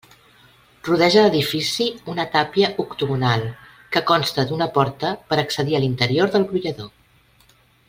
Rodeja l'edifici una tàpia octogonal, que consta d'una porta per a accedir a l'interior del brollador.